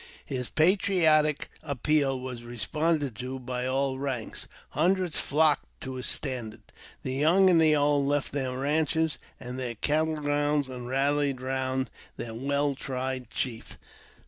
His patriotic appeal was responded to by all ranks. Hundreds flocked to his standard ; the young and the old left their ranches and their cattle grounds, and rallied round their well tried chief.